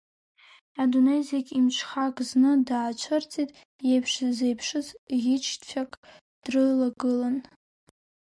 Адунеи зегь имҽхак зны даацәырҵит, иеиԥш зеиԥшыз ӷьычцәак дрылагылан.